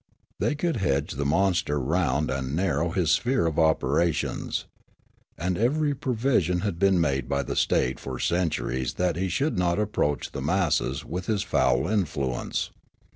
They could hedge the monster round and narrow his sphere of operations. And everj' pro vision had been made by the state for centuries that he should not approach the masses with his foul influence.